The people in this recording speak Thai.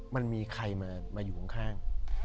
มันมีใครมาอยู่ข้าง